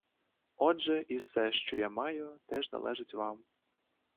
Отже, і все, що я маю, теж належить вам.